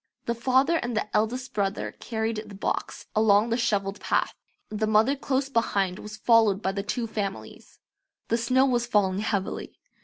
The father and the eldest brother carried the box along the shovelled path. The mother close behind was followed by the two families. The snow was falling heavily.